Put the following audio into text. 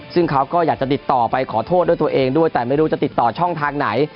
ซึ่งเขาก็อยากจะติดต่อไปขอโทษด้วยตัวเองด้วยแต่ไม่รู้จะติดต่อช่องทางไหน